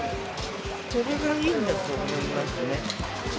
それがいいんだと思いますね。